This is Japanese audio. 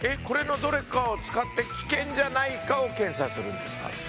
これのどれかを使って危険じゃないかを検査するんですか？